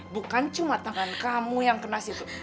bukan cuma tangan kamu yang kena situ